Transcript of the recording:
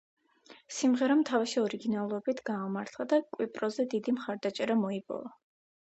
სიმღერამ თავისი ორიგინალურობით გაამართლა და კვიპროსზე დიდი მხარდაჭერა მოიპოვა.